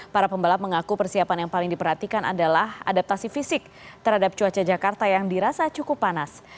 para pembalap mengaku persiapan yang paling diperhatikan adalah adaptasi fisik terhadap cuaca jakarta yang dirasa cukup panas